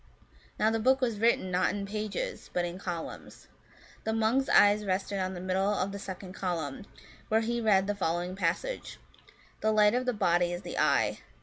Now the book was written, not in pages, but in columns. The monk's eyes rested on the middle of the second column, where he read the following passage, * The light of the body is the eye.